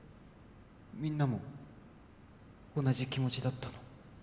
みんなも同じ気持ちだったの？